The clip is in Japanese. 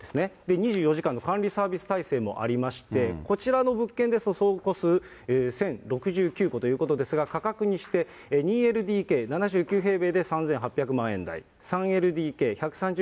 ２４時間の管理サービス体制もありまして、こちらの物件ですと、総戸数１０６９戸ということで、価格にして２ＬＤＫ７９平米で３８００万円台、３ＬＤＫ１３０